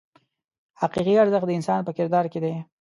حقیقي ارزښت د انسان په کردار کې دی.